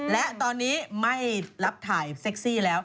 และตอนนี้ไม่รับถ่ายเซ็กซี่แล้ว